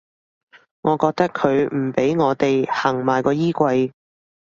我覺得佢唔畀我地行埋個衣櫃